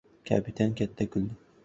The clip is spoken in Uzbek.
Kapitan katta kuldi.